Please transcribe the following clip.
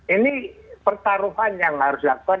ini pertaruhan yang harus dilakukan